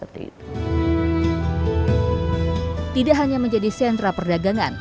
tidak hanya menjadi sentra perdagangan